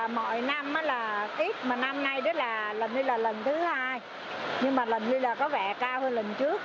mỗi năm là ít mà năm nay là lần thứ hai nhưng mà lần thứ hai có vẻ cao hơn lần trước